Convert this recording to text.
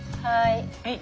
はい。